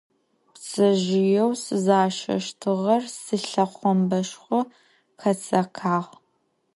Пцэжъыеу сызашэщтыгъэр слъэхъомбэшхо къецэкъагъ